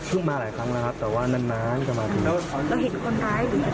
เราเห็นคนร้ายหรืออะไรที่ปกตินะ